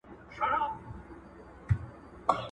په کړکۍ کي ورته پټ وو کښېنستلی؛